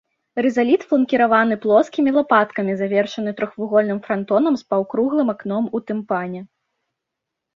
Рызаліт фланкіраваны плоскімі лапаткамі, завершаны трохвугольным франтонам з паўкруглым акном у тымпане.